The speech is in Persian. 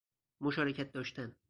مشارکت داشتن